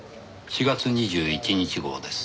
４月２１日号です。